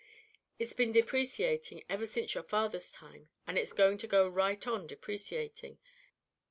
It's been depreciating ever since your father's time, and it's going to go right on depreciating.